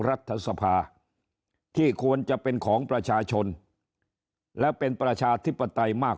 รัฐสภาที่ควรจะเป็นของประชาชนและเป็นประชาธิปไตยมาก